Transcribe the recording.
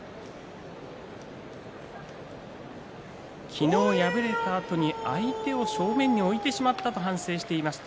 昨日、敗れたあとに相手を正面に置いてしまったと反省していました。